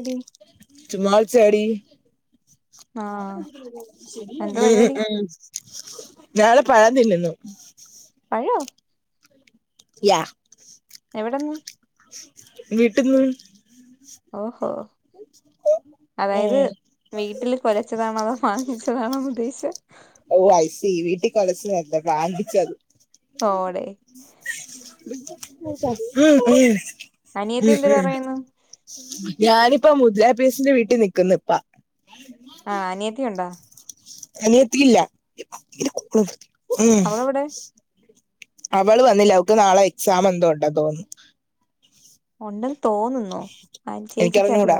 എടി ചുമ്മാവിളിച്ചാടി. ആഹ് ഉം എന്താ പരിപാടി ഉം ഞാന് പഴം തിന്നുന്നു. പഴോ യാ എവിടെന്ന്? വീട്ടിന്ന്. ഓ ഹോ അതായത് ഉം വീട്ടില് കൊലച്ചതാണോ അതോ വാങ്ങിച്ചതാണോന്ന് ഉദ്ദേശിച്ചത് ഓ ഐസി വീട്ടിൽ കൊലച്ചതല്ല കാണ്ടിച്ചത്. പോടെ ഉം ഉം ഉം അനിയത്തി എന്തിര് പറയുന്നു ഉം ഞാനിപ്പം മുദലാപ്പച്ചിടെ വീട്ടിൽ നിക്കുന്നുപ്പാ ആ അനിയത്തിയുണ്ടോ? അനിയത്തിയില്ല ഉം അവളെവിടെ അവള് വന്നില്ല അവക്ക് നാളെ എക്സാം എന്തോ ഉണ്ടന്ന് തോന്നുന്നു. ഉണ്ടെന്ന് തോന്നുന്നോ? എനിക്കറിഞ്ഞൂടാ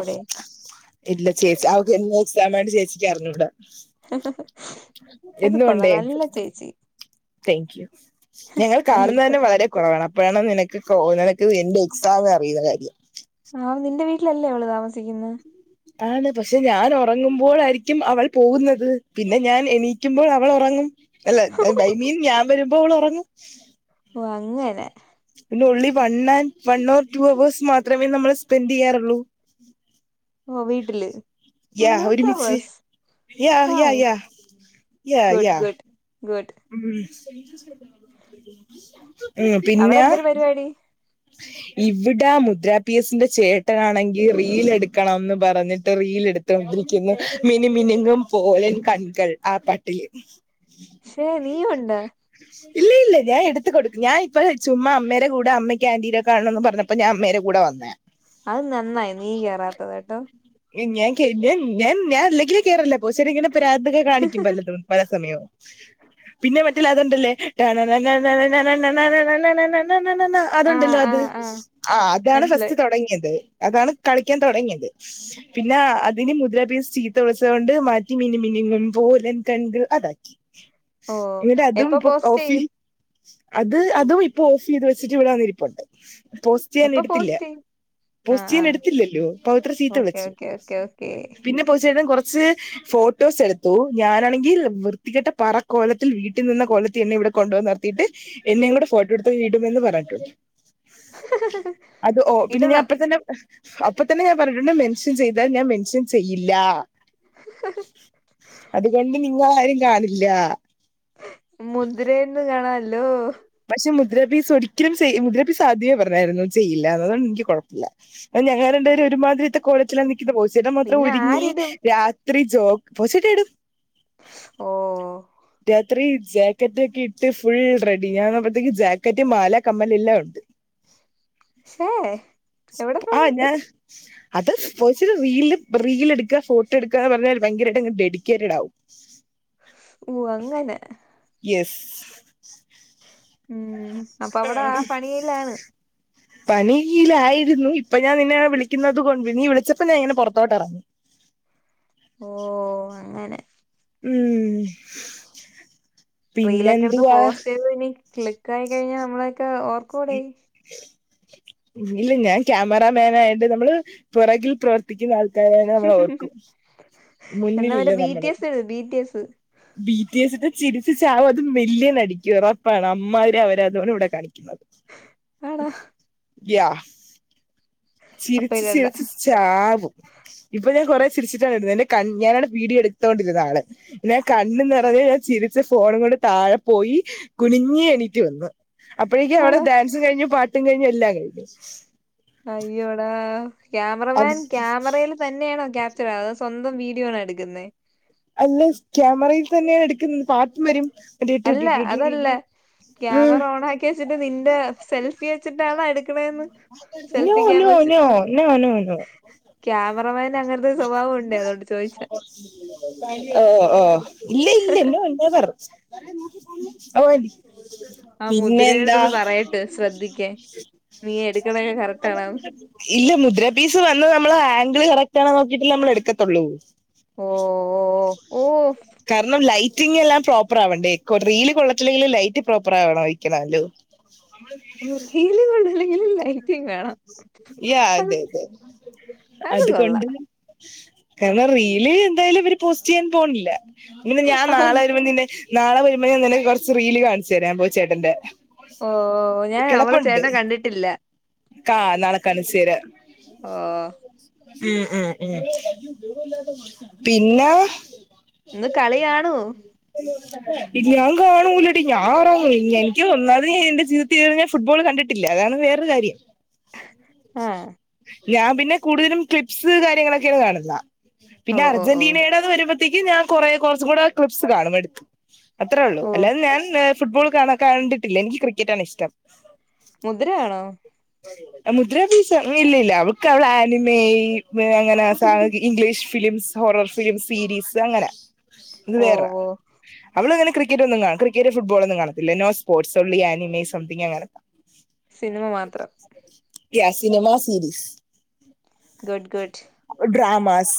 ഇല്ല ചേച്ചി അവക്ക് എന്തോ എക്സാമാന്ന്‌ ചേച്ചിക്ക് അറിഞ്ഞൂടാ. അത് കൊള്ളാം നല്ല ചേച്ചി. താങ്ക്യൂ ഞങ്ങൾ കാണുന്നത് വെൽക്കം തന്നേ വളരേ കുറവാണ്. അപ്പഴേണം നിനക്ക് നിനക്ക് എന്റെ എക്സാാം അറിയുന്ന കാര്യം ആഹ് നിന്റെ വീട്ടിലല്ലേ അവള് താമസിക്കുന്നത് ആണ് പക്ഷെ ഞാനുറങ്ങുമ്പോളായിരിക്കും അവൾ പോകുന്നത് പിന്നെ ഞാൻ എണീക്കുമ്പോൾ അവളുറങ്ങും. അല്ല ഐ മീൻ ഞാൻ വരുമ്പോ അവളുറങ്ങും. ഓഹ് അങ്ങനെ ഇല്ല ഉള്ളി one and one or two hours മാത്രമേ നമ്മൾ സ്പെൻഡെയ്യാറൊള്ളൂ. ഓഹ് വീട്ടില് വൺ യാ ഓർ ടു ഒരുമിച്ച് hours yeah wow yeah yeah yeah yeah good ഉം ഉം അവിടെ പിന്നെ എന്തൊരു പരിപാടി ഇവടെ മുദ്രാപിയസിന്റെ ചേട്ടനാണെങ്കി റീൽ എടുക്കണംന്ന് പറഞ്ഞിട്ട് റീലെട് തോണ്ടിരിക്കുന്നെ മിനു മിനുങ്ങും പോലൻ കൺകൾ ആ പാട്ടില് ക്ഷേ നീ യുണ്ട ഇല്ല ഇല്ല ഞാൻ എട്ത്ത് കൊടുക്കും ഞാൻ ഇപ്പഴ് ചുമ്മാ അമ്മരെ കൂടെ അമ്മക്ക് ആന്റിനെ കാണാണെന്ന് പർഞ്ഞ ഇപ്പൊ ഞാൻ അമ്മേരെ കൂടെ വന്നേ അത് നന്നായി നീ കേറാത്തത് കേട്ടോ ഏ ഞാൻ കേ ഞൻ ഞൻ ഞാൻ അല്ലെങ്കിലേ കേറല്ല [unintelligible] ഇങ്ങനെ പ്രാന്തൊക്കെ കാണിക്കും പലതും പല സമയും പിന്നെ മറ്റേ ലത്ണ്ടല്ലേ ട്ടണണണണണ ആഹ് അതുണ്ടല്ലോ അത് ആഹ് ആഹ് ആ അതാണ് ഫസ്റ്റ് മനസ്സിലായി തൊടങ്ങ്യത്. അതാണ് കളിക്കാൻ തൊടങ്ങ്യത്. പിന്നെ അതിന് മുദ്രപീസ് ചീത്ത വിളിച്ചത് കൊണ്ട് മാറ്റി മിനിമിനുങ്ങും പോലൻ കൺങ്കൾ അതാക്കി. ഓ ഇങ്ങട്ട അതും എപ്പൊ പു പോസ്റ്റ് ഓഫി ചെയ്യും അത് അതും ഇപ്പോ ഓഫെയ്ത് വെച്ചിട്ട് ഇവടെ വന്നിരിപ്പുണ്ട് പോസ് എപ്പൊ റ്റെയ്യാനെട്ത്തില്ല പോസ്റ്റ് ചെയ്യും ആഹ് ആഹ് പോസ്റ്റെയ്യനെട്ത്തില്ലല്ലോ പവിത്ര ചീത്ത ഓക്കെ വിളിച്ചു. ഓക്കെ ഓക്കെ ഓക്കെ പിന്നെ പൗസ്യെട്ടൻ കൊർച്ച് ഫോട്ടോസെട്ത്തു ഞാനാണെങ്കിൽ വൃത്തിക്കെട്ട പറ കോലത്തിൽ വീട്ടിൽ നിന്ന കൊലത്തെന്നെവടെ കൊണ്ടോനർത്തിട്ട് എന്നെയും കൂടെ ഫോട്ടോട്ത്ത് ഇടുമെന്ന് പറഞ്ഞിട്ടുണ്ട്. അത ഓ പിന്നെ ഞാൻ ഇടണം അപ്പ തന്നെ അപ്പൊ തന്നെ ഞാൻ പർഞ്ഞിട്ടുണ്ട് മെൻഷൻ ചെയ്താൽ ഞാൻ മെൻഷൻ ചെയ്യില്ല. അത്കൊണ്ട് നിങ്ങളാരും കാണില്ല. മുദ്രേന്ന് കാണാല്ലോ. പക്ഷെ മുദ്രാ പീസ് ഒരിക്കലും ചെ മുദ്ര പീസ് ആദ്യമേ പർഞ്ഞായിരുന്നു ചെയ്യില്ലന്ന് അത്കൊണ്ട് ഇൻക്ക് കൊഴപ്പല. ഞങ്ങാണ്ടാര് ഒരുമാതിരിത്തെ കോലത്തിലാ നിക്കുന്ന പോ ചേട്ട മാത്രം പിന്നെ ഒരുങ്ങി ആരിടും രാത്രി ജോക് പോ ചേട്ട ഇടും. ഓ രാത്രി ജാക്കറ്റൊക്കെട്ട് ഫുൾ റെ [unintelligible] ജാക്കറ്റ്, മാല, കമ്മല് എല്ലാം ഉണ്ട്. ക്ഷേ സ് പ് ആഹ് ഞ അത് [unintelligible] റീല്, റീലെട്ക്ക ഫോട്ടട്ക്കാന്ന് പർഞ്ഞാല് ഭയങ്കരമായിട്ടങ്ങ് ഡെഡിക്കേറ്റഡാകും. ഓഹ് അങ്ങനെ യെസ് ഉം അപ്പൊ അവിടെ ആ പണിയിലാണ് [unintelligible] പണിയിലായിരുന്നു ഇപ്പൊ ഞാൻ നിന്നെ വിളിക്കുന്നത് കൊണ്ട് നീ വിളിച്ചപ്പോ ഞാൻ ഇങ്ങനെ പൊറത്തോട്ടെറങ്ങി. ഓഹ് അങ്ങനെ ഉം റീലൊക്കെട്ത്ത് പിന്നെന്തുവാ പോസ്റ്റെയ്ത് നി ക്ലിക്കായി കഴിഞ്ഞാ നമ്മളൊക്കെ ഓർക്കോ ഈ ടെയ് ഇല്ല ഞാൻ ക്യാമറമാനായിട്ട് നമ്മള് പൊറകിൽ പ്രവർ ത്തിക്കുന്ന ആൾക്കാരായ നമ്മളോർക്കും എന്ന മറ്റേ B T S B T S B T എസിൻ്റെ ചിരിച്ച് ചാവും അതും മില്ല്യനടിക്കും ഒറൊപ്പാണ് അമ്മാതിരി അവരതാണ് ഇവടെ കാണിക്കുന്നത്. ആടാ യാ അപ്പൊ ചിരിച്ച് ഇടണ്ട ചിരിച്ച് ചാകും. ഇപ്പഴും കൊറേ ചിരിച്ചിട്ടാണ് [unintelligible] ത് എന്റെ കല്ല്യാ ഞാനാണ് വീഡിയോ എട്ത്തോണ്ടിരുന്നാള്. ഞാൻ കണ്ണ് നെറഞ്ഞ ഞാൻ ചിരിച്ച് ഫോണ് വീണ് താഴെ പോയി കുനിഞ്ഞ് എണീറ്റ് വന്ന്. അപ്പഴേക്ക് അവിടെ ആടാ ഡാൻസും കഴിഞ്ഞു പാട്ടും കഴിഞ്ഞു എല്ലാം കഴിഞ്ഞു അയ്യോടാ ക്യാമറമാൻ അത് ക്യാമറയിൽ തന്നെയാണോ ക്യാപ്ചർ അത് സ്വന്തം വീഡിയോ ആണോ എടുക്കുന്നത് അല്ലേസ് ക്യാമറയിൽ തന്നെയാ എടുക്കുന്നത് പാട്ടും വരും മറ്റേ ടു അല്ല ടു ടു ടു ടു അതല്ല ടു. ഉം. ക്യാമറ ഓൺ ആക്കി വെച്ചിട്ട് നിന്റെ സെൽഫി വെച്ചിട്ടാണോ എടുക്കണന്ന് നൂ നു നു നു നൂ നു ക്യാമറമാൻ അങ്ങനത്തെ ഒരു സ്വഭാവം ഉണ്ട് അതുകോണ്ട് ചോദിച്ചാ ഓഹ് ഓഹ് ഇല്ല ഇല്ല ഇന്ന ഉണ്ടാ പറ ഓ ആഹ് പിന്നെന്താ മുതിരടുത്തൊന്ന് പറയട്ടെ ശ്രദ്ധിക്കേ നീ എടുക്കണൊക്കെ കറക്റ്റണോ ഇല്ല. മുദ്ര പീസ് വന്ന നമ്മള് ആംഗിള് കറക്റ്റ് ആണ നോക്കിയിട്ട് നമ്മൾ എടുക്കത്തുള്ളൂ ഓഹ് ഓഹ് ഓഹ് കാരണം ലൈറ്റിംഗല്ലാം പ്രോപ്പർ ആവണ്ടേ കൊട് റീൽ കൊള്ളത്തില്ലെങ്കിൽ ലൈറ്റ് പ്രോപ്പർ ആവണംഴിക്കണല്ലോ മുർഹീൽ കൊണ്ടല്ലെങ്കിൽ ലൈറ്റും വേണം യാ അത് അതെ അതെ അത് കൊണ്ട് കാരണം റീല് എന്തായാലും ഇവര് പോസ്റ്റ് ചെയ്യാൻ പോണില്ല ന്ന് ഞാൻ അപ്പൊ നാളെ വരുമ്പ നിന്നേ നാളെ വരുമ്പോ ഞാ നിന്നെ കൊറച്ച് റീൽ കാണിച്ചരാൻ പോ ചേട്ടന്റെ ഓ ഞാൻ അവളെ കിടപ്പുണ്ട് ചേട്ടനെ കണ്ടിട്ടില്ല കാ ളെ കാണിച്ചര ഓ ഉം ഉം ഉം പിന്നെ ഇന്ന് കളിയാണോ [unintelligible] ഇനി ഞാൻ കാണൂലടി ഞാറാാവ എനിക്ക് ഒന്നാത് എന്റെജീവ്ത്ത് യാങ്ങനെ ഫുട്ബോൾ കണ്ടി ട്ടില്ല അതാണ് വേറരു കാര്യം ആഹ് ഞാൻ പിന്നെ കൂടുതലും ക്ലിപ്സ് കാര്യങ്ങളൊക്കെയാണ് കാണുന്ന ഓ പിന്നെ ഓ ഓ അർജന്റീനയുടെ അത് വരുമ്പോഴത്തേക്ക് ഞാൻ കുറേ കുറച്ചും കൂടെ ക്ലിപ്സ് കാണും എടു അത്രേള്ളൂ ഓ അല്ലാതെ ഞാൻ ഞാ ഫുട്ബോൾ കാണാ കണ്ടിട്ടില്ല എനിക്ക് ക്രിക്കറ്റണ് ഇഷ്ടം മുദ്രയാണോ മുദ്രഫീസ ഇല്ലില്ല അവൾക്ക് അവള ആനിമേ അങ്ങനെ സാഹകി English films horror films series അങ്ങനെ ഇത് ഓ വേറെ ഓ അവള അങ്ങനെക്രിക്കറ്റ് ഒന്നും കാ ക്രിക്കറ്റ് ഫുട്ബോളന്നും കാണതില്ല നോ്പോർട്സ് ഓൻള്ളി ആനിമേ സംതിങ് ങ്ങനക്ക സിനിമ മാത്രം യാ സിനെമാ സിരിസ് ഗഡ്ഗഡ് dramas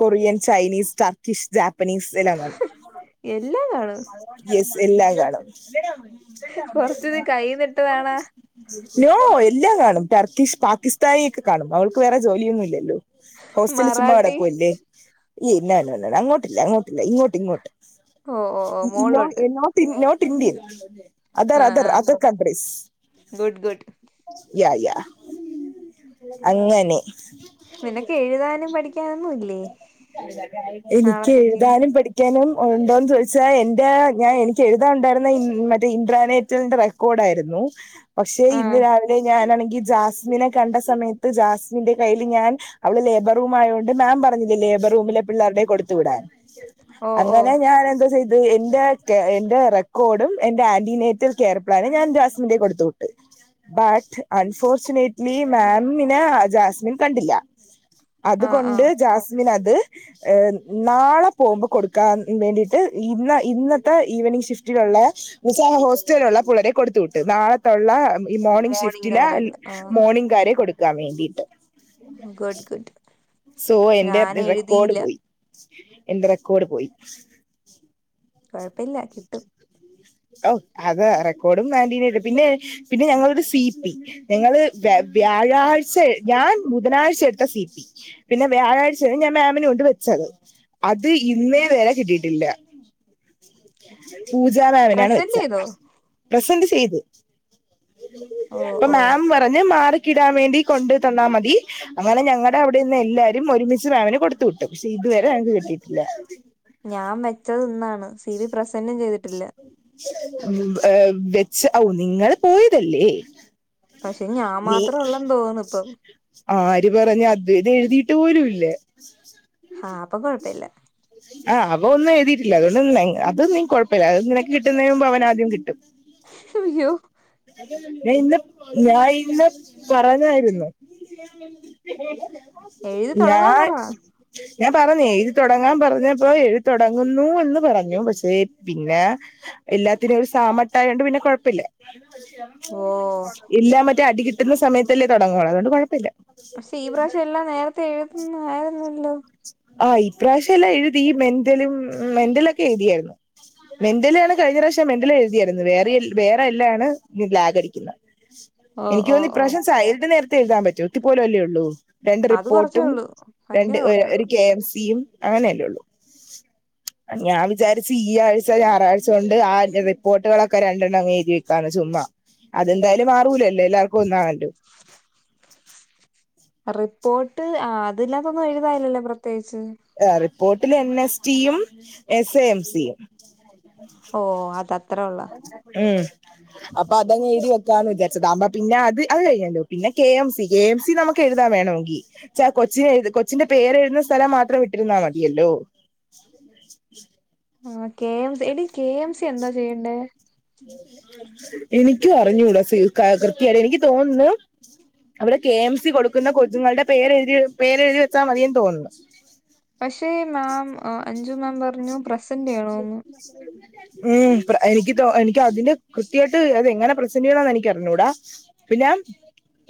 Korean Chinese Turkish Japanese തിനാ കാണാ എല്ലാം കാണും യെസ് എല്ലാം കാണും കൊറച്ത് കൈന്നിട്ടവേണാ നോ എല്ലാം കാണും ടർക്കിഷ് പാകിസ്ഥാനി ഒക്കെ കാണും അവൾക്ക് വേറെ ജോലിയൊന്നും ഇല്ലല്ലോ ഹോസ്റ്റൽ ചുമ്മാ മറാഠി അടാക്കൂ അല്ലേ എന്നാനും ഒന്നാണ് അങ്ങോട്ടില്ല അങ്ങോട്ടില്ല ഇങ്ങോട്ട് ഇങ്ങോട്ട് ഓ ഓ ഓ ഇനോ മോളിലോട്ട് not north Indian other ah other ah other countries good good yeah yeah അങ്ങനെ നിനക്ക് എഴുതാനും പഠിക്കാനൊന്നും ഇല്ലേ എനിക്കെ നാളത്തേക്ക് എഴുതാനും പഠി ക്യാനും ഉണ്ടോന്ന് ചോയ്ച്ചാ എന്റെ ഞാൻ എനിക്ക് എഴുതാൻണ്ടായിരുന്ന ഇ മറ്റേ ഇൻട്രാനെറ്റിന്റെ കൂടാരുന്നു പക്ഷെ ഇന്ന് ആഹ് രാവിലെ ഞാനാണെങ്കി ജാസ്മിനെ കണ്ട സമയത്ത് ജാസിമിന്റെ കയ്യിൽ ഞാൻ അവള് ലേബർ റൂം ആയൊണ്ട് മാം പറഞ്ഞില്ലേ ലേബർ റൂമിലെ പിള്ളേരുടെ കൊടുത്തു വിടാൻ ഓ ഓ അങ്ങനെ ഞാൻ എന്തോ ചെയ് എന്റെ എന്റെ റെക്കോർഡും എന്റെ ആൻറിനേറ്റൽ കെയർ പ്ലാനുംഞാൻ ജാസ്മിന്റെ കൊടുത്തു [unintelligible] ബട്ട് അൺഫോർച്ചുനേറ്റ്ലി മാം പിന്നെ ജാസ്മിൻ കണ്ടില്ല ആഹ് അതുകൊണ്ട് ആഹ് ജാസ്മിൻ അത് ഹെ നാളെ പോകുമ്പോ കൊടുക്കാൻ വേണ്ടിയിട്ട് ഇന്ന ഇന്നത്തെ ഈവനിങ് ഷിഫ്റ്റിലുള്ള എന്ന് വെച്ച ഹോസ്റ്റലുള്ള പുള്ളരെ കൊടുത്തു വിട്ടു നാളെ ഇവിടുള്ള ഈ മോർണിംഗ് ഷിഫ്റ്റില് കാര്യല്ല ആഹ് മോർണിംങ് കാരെ കൊടുക്കാൻ വേണ്ടിയിട്ട് ഗുഡ് ഗുഡ് സോ എന്റെ ഞാൻ റെക്കോർഡ് എഴുതിയില്ല പോയി എന്റെ റെക്കോർഡ് പോയി കുഴപ്പല്ല കിട്ടും അഹു അത് റെക്കോർഡും [unintelligible] പിന്നെ പിന്നെ ഞങ്ങളരു സി പി ഞങ്ങള് വ വ്യാഴാഴ്ച ഞാൻ ബുധനാഴ്ച എടുത്ത സി പി പിന്നെ വ്യാഴാഴ്ചയാണ് ഞൻ മാമിനെ കൊണ്ട് വെച്ചത് അത് ഇന്നേ വരെ കിട്ടിയിട്ടില്ല പൂജ ഇപ്പോഴാണ് പ്രസന്റ് വെച്ച ചെയ്തോ പ്രെസന്റ് ചെയ്തു ഓ ഇപ്പൊ ഓ മാം പ പറഞ്ഞ് മാർക്കിടാൻ വേണ്ടി കൊണ്ടു തന്നാൽ മതി അങ്ങനെ ഞങ്ങളടെ അവിടെ ഇന്ന് എല്ലാരും ഒരുമിച്ച് മാംന് കൊടുത്തു വിട്ടു പക്ഷെ ഇതുവരെ ഞങ്ങക്കു കിട്ടിയിട്ടില്ല ഞാൻ വെച്ചത് ഇന്നാണ് സി ബി പ്രസന്റും ചെയ്തി വെച്ച് ഔ നിങ്ങൾ പോയതല്ലേ പക്ഷേ ഞാൻ നീ മാത്രേ ഉള്ളന്ന് തോന്നുന്നു ഇപ്പൊ ആര് പറഞ്ഞ് അത് ഇത് എഴുതിയിട്ട് പോലുംല്ല [inaudible] ആഹ് അപ്പൊ കൊഴപ്പല്ല ആഹ് അപ്പം ഒന്നും എുതിയിട്ടില്ല അതുകൊണ്ട് അത് നീ കുഴപ്പമില്ല അത് നിനക്ക് കിട്ടുന്നതിന് മുമ്പ് അവൻ ആദ്യം കിട്ടും യ്യോ ഞാൻ ഇന്ന് ഞാൻ ഇന്ന് പറഞ്ഞായിരുന്നു എഴുതി തുടങ്ങാൻ ഞാൻ പറ ഞാൻ പറഞ്ഞു എഴുതിത്തൊടങ്ങാൻ പറഞ്ഞപ്പോ എഴുതിത്തൊടങ്ങുന്നു എന്ന് പറഞ്ഞു പക്ഷേ പിന്നെ എല്ലാത്തിനും ഒരു സാമട്ടായൊണ്ട് പിന്നെ കൊഴപ്പല്ല ഓ ഇല്ല മറ്റേ അടി കിട്ടുന്ന സമയത്തല്ലേ തുടങ്ങോളൂ അതുകൊണ്ട് കൊഴപ്പല്ല പക്ഷെ ഈ പ്രവശ്യ എല്ലാം നേരത്തെ എഴുതുന്ന ആയിരുന്നല്ലോ ആഹ് ഈ പ്രാവശ്യ എല്ലാം എഴുതി മെന്റലും മെന്റലൊക്കെ എഴുതിയായിരുന്നു മെന്റല് ആണ് കഴിഞ്ഞ പ്രാവശ്യം മെന്റല് എഴുതിയായിരുന്നു വേറെ വേറെ എല്ലാംണ് ഈ ലാഗടിക്കുന്നത് ഓ എനിക്ക് ഓ തോന്ന് ഈ ഓ പ്രാവശ്യം സയിട് നേരത്തെ എഴുതാൻ പറ്റും ഇത്തി പോല അല്ലേള്ളൂ രണ്ട് അത് കൊറച്ചേ റിപ്പോർട്ടും ഉള്ളൂ രണ്ട് ഭയങ്കര കൊറച്ചേ ഒരു ഉള്ളൂ കെ എം സിയും അങ്ങനെയല്ലേള്ളു [inaudible] ഞാൻ വിചാരിച്ച് ഈ ആഴ്ച ഞായറാഴ്ച കൊണ്ട് അതിന്റ റിപ്പോർട്ടുകളൊക്കെ രണ്ടെണ്ണം അങ് എഴുതി വെക്കാണ് ചുമ്മാ അതെന്തായാലും മാറൂലല്ലോ എല്ലാർക്കും ഒന്നാണല്ലോ റിപ്പോർട്ട് ആഹ് അതിലൊന്നും എഴുതാന്നില്ലല്ലോ പ്രത്യേകിച്ച് ആഹ് റിപ്പോർട്ടിൽ എൻ എസ് ടിയും എസ് എ എം സിയും ഓ അത് അത്ര ഉള്ള ഉം അപ്പൊ അതങ്ങങ് എഴതി വെക്കാന്ന് വിചാരിച്ചത് പിന്നെ അത് അത് കഴിയല്ലോ പിന്നെ K M C K M C നമുക്ക് എഴുതാ വേണമെങ്കിൽ എന്ന് വെച്ച കൊച്ച് കൊച്ച്ന്റെ പേര് എഴുന്ന സ്ഥലം മാത്രം വിട്ടിരുന്നാൽ മതിയല്ലോ [inaudible] ആ കെ എംസ് എടി കെ എംസ് എന്താ ചെയ്യണ്ടേ? എനിക്കും അറിഞ്ഞൂടാ സിൽക്കാ കൃത്യയ്ട് എനിക്ക് തോന്നുന്നു. അവ്ടെ കെ എം സി കൊടുക്കുന്ന കൊച്ചുങ്ങളുടെ പേരെഴ്തി പേരെഴ്തി വെച്ചാൽ മതിന്ന് തോന്നുന്നു. പഷേ മാം അഞ്ചു മാം പറഞ്ഞു പ്രസന്റ് ചെയ്യണോന്ന്. മ് [unintelligible] എനിക്ക് തോ എനിക്. റ്റ അതിന്റെ കൃത്യായിട്ട് അത് എങ്ങനെ പ്രസെന്റ് ചെയ്യണന്ന് എനിക്ക് അറിഞ്ഞൂടാ പിന്നെം.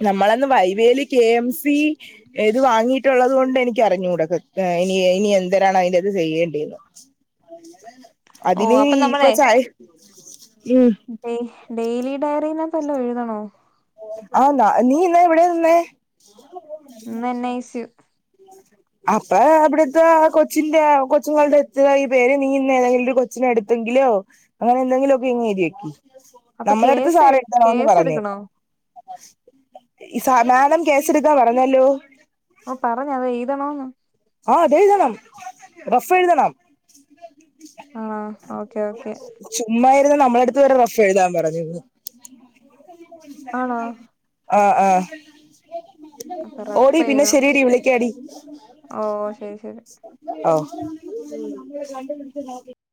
ന്നമ്മളന്ന് വൈവേല് കെ എം സി. എത് വാങ്ങിയിട്ടുള്ളത് കൊണ്ട് എനിക്ക് അറിഞ്ഞൂക് എനി എനി എന്ത്‌രാണ് അയിന്റെത് ചെയ്യേണ്ടി. ഓ അതിന് അപ്പൊ ഇപ്പൊ ചായ മ് ഡേ ഡെയിലി ഡയറിന്നപ്പല്ലോ എഴുതണോ? ആ ന്ന നീ ഇന്നലെ ഐവിടെ നിന്നെ. ഇന്ന് എൻ ഐ സി യു അപ്പൊ അവ്ടത്തകൊച്ചിന്റെ കൊച്ചുങ്ങളുടെ എത്ത് ഈ പേര് നീ ഇന്ന് തെങ്കിലും ഒരുകൊച് ച്ഛനെടുത്തെങ്കിലോ അങ്ങനെ എന്തെങ്കിലും ഒക്കെ ഇങ്ങ് എരിവെക്കി. അപ്പൊ നമ്മളെട്ത്ത് കേസ് സാറ് എത്തണോന്ന് കേസ് പറഞ്ഞു. എടുക്കണോ ഇസ മാഡംകേസ്ടുക്ക പറഞ്ഞല്ലോ. ഓ പറഞ്ഞ് അവ എഴുതണോന്ന്? ആ അതെഴുതണം റഫ് എഴ്തണം. ആണോ ഓക്കെ ഓക്കെ ചുമ്മായിര്ന്ന നമ്മളെട്ത്ത് വരെ റഫ് എഴുതാൻ പറഞ്ഞ്ക്ക്ണു. ആണോ ആ ആ അപ്പൊ ഓടി റഫ് പിന്നെ എഴുതണം ശെരിടി വിളക്കാടി. ഓ ശെരി ശെരി. ആ. [unintelligible]